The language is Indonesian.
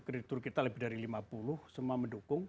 kreditur kita lebih dari lima puluh semua mendukung